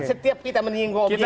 setiap kita menyinggung objektif